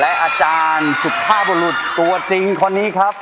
อาจารย์สุภาพบุรุษตัวจริงคนนี้ครับ